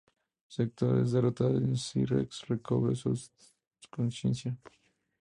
Sektor es derrotado y Cyrax recobra su conciencia.